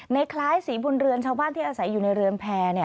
คล้ายศรีบุญเรือนชาวบ้านที่อาศัยอยู่ในเรือนแพร่